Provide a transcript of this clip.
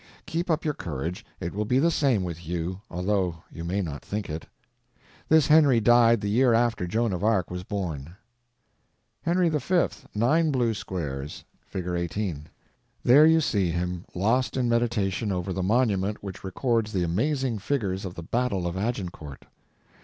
Keep up your courage; it will be the same with you, although you may not think it. This Henry died the year after Joan of Arc was born. Henry V.; nine _blue _squares. (Fig. 18) There you see him lost in meditation over the monument which records the amazing figures of the battle of Agincourt.